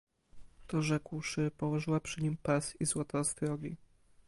"To rzekłszy, położyła przy nim pas i złote ostrogi."